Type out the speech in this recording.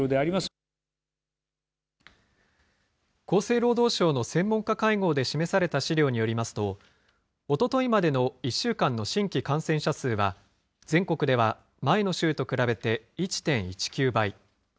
厚生労働省の専門家会合で示された資料によりますと、おとといまでの１週間の新規感染者数は、全国では前の週と比べて１．１９倍。